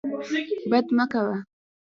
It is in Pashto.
بد مه کوه.